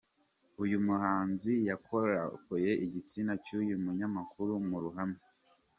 Uyu muhanzi yakorakoye igitsina cy’uyu munyamakuru mu ruhame.